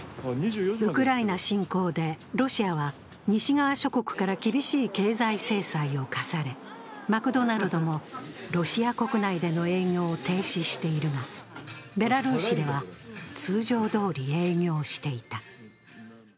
ウクライナ侵攻でロシアは西側諸国から厳しい経済制裁を科されマクドナルドもロシア国内での営業を停止しているがベラルーシでは通常どおり営業していた。